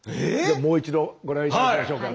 もう一度ご覧頂きましょうか。